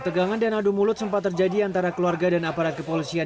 tegangan dan adu mulut sempat terjadi antara keluarga dan aparat kepolisian